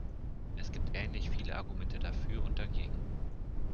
Es gibt ähnlich viele Argumente dafür und dagegen.